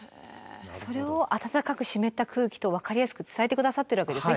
それを「温かく湿った空気」と分かりやすく伝えて下さってるわけですね